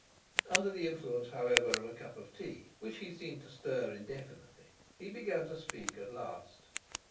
Under the influence, however, of a cup of tea, which he seemed to stir indefinitely, he began to speak at last.